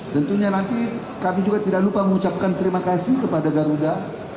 tentunya nanti kami juga tidak lupa mengucapkan terima kasih kepada garuda